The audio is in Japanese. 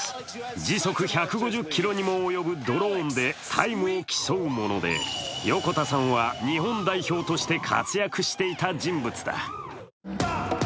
時速１５０キロにも及ぶドローンでタイムを競うもので横田さんは日本代表として活躍していた人物だ。